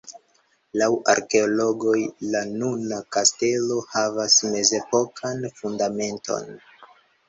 Laŭ arkeologoj la nuna kastelo havas mezepokan fundamenton.